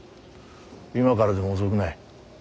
今からでも遅くない。